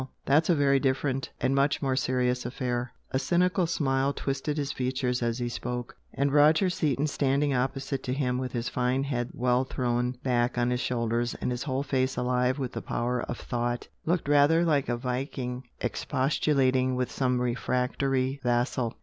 that's a very different and much more serious affair!" A cynical smile twisted his features as he spoke, and Roger Seaton, standing opposite to him with his fine head well thrown back on his shoulders and his whole face alive with the power of thought, looked rather like a Viking expostulating with some refractory vassal.